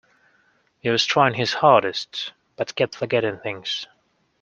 He was trying his hardest, but kept forgetting things.